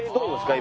今。